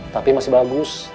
tapi masih bagus